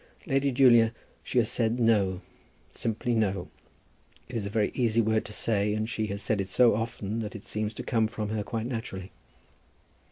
"Lady Julia, she has said no; simply no. It is a very easy word to say, and she has said it so often that it seems to come from her quite naturally."